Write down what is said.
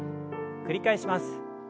繰り返します。